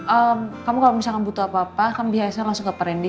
ehm kamu kalau misalkan butuh apa apa kan biasanya langsung ke perendi